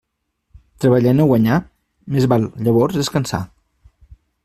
Treballar i no guanyar? Més val, llavors, descansar.